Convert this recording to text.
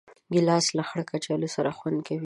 ګیلاس له خړ کچالو سره خوند کوي.